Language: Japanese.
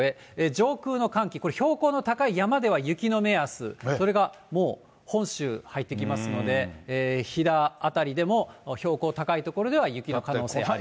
上空の寒気、これ、標高の高い山では雪の目安、それがもう本州入ってきますので、飛騨辺りでも標高高い所では雪が降っても。